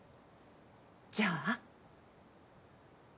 じゃあ？